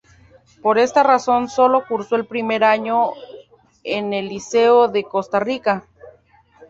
Por esta razón solo cursó el primer año en el Liceo de Costa Rica.